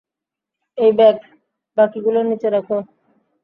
এটা ব্যাগ বাকিগুলোর নিচে রাখ।